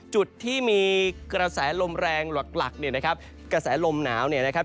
จุดที่มีกระแสลมแรงหลักหลักเนี่ยนะครับกระแสลมหนาวเนี่ยนะครับ